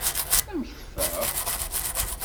Amek teffeɣ?